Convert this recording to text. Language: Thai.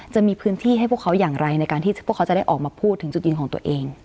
จะมีพื้นที่ให้พวกเขาอย่างไรในการที่พวกเขาจะได้ออกมาพูดถึงจุดยืนของตัวเอง